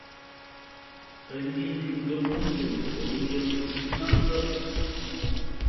Ghen mbhǐ kʉkěn mbǒ dom nkóndʉ̄ᾱ nā nsαʼ.